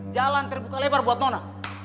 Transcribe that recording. jalante buka lebar buat nona